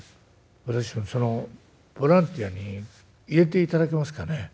「私もそのボランティアに入れていただけますかね」。